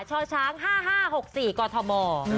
ชช๕๕๖๔กธม